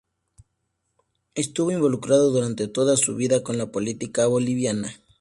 Estuvo involucrado durante toda su vida con la política boliviana.